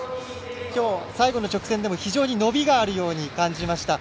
きょう、最後の直線でも非常に伸びがあるように感じました。